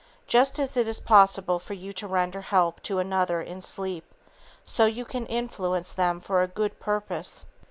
Just as it is possible for you to render help to another in sleep, so you can influence them for a good purpose.